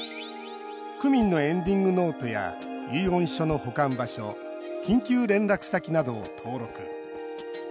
区民のエンディングノートや遺言書の保管場所緊急連絡先などを登録。